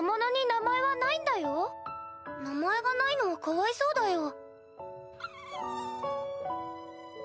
名前がないのはかわいそうだ鳴き声